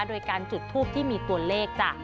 โดยการจุดทูปที่มีตัวเลขจ้ะ